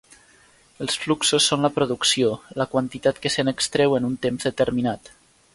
Els fluxos són la producció, la quantitat que se n'extreu en un temps determinat.